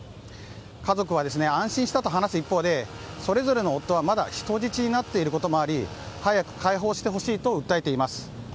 家族は安心したと話す一方でそれぞれの夫はまだ人質になっていることもあり早く解放してほしいと訴えています。